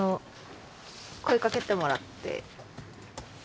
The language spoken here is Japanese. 声かけてもらって。